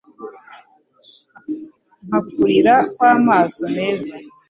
Nka kurira kw'amaso meza